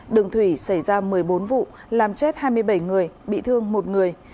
đường thủy xảy ra một mươi bốn vụ làm chết hai mươi bảy người bị thương một người